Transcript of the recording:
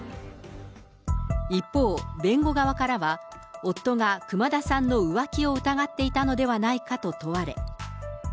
一方、弁護側からは、夫が熊田さんの浮気を疑っていたのではないかと問われ。